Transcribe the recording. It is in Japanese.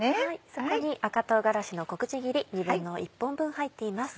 そこに赤唐辛子の小口切り２分の１本分入っています。